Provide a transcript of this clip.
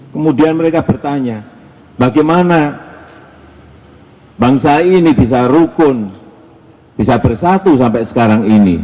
kemudian mereka bertanya bagaimana bangsa ini bisa rukun bisa bersatu sampai sekarang ini